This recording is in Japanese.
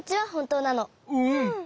うん。